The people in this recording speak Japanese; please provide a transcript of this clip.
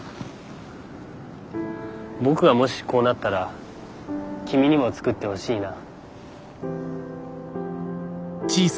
僕がもしこうなったら君にも作ってほしいな。